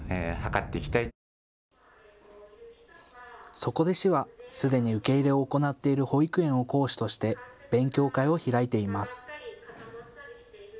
そこで市は、すでに受け入れを行っている保育園を講師として勉強会を開いています。